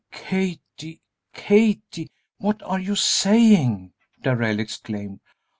"Kathie, Kathie! what are you saying?" Darrell exclaimed.